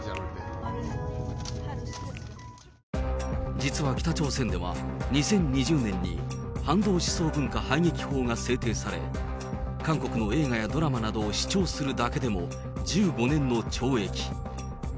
実は北朝鮮では、２０２０年に反動思想文化排撃法が制定され、韓国の映画やドラマなどを視聴するだけでも１５年の懲役。